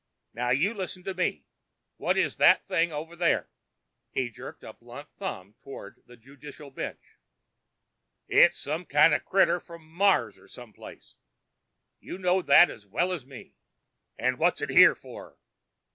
Now you listen to me! What is that thing over there?" He jerked a blunt thumb toward the judicial bench. "It's some kind of critter from Mars or someplace you know that as well as me! And what's it here for?